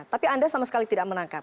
tapi anda sama sekali tidak menangkap